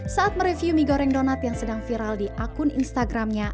saat mereview mie goreng donat yang sedang viral di akun instagramnya